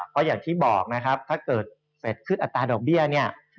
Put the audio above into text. ก็อย่างที่บอกนะครับถ้าเกิดเสร็จขึ้นอัตราดอกเบี้ยเนี่ย